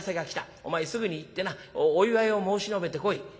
お前すぐに行ってなお祝いを申し述べてこい」。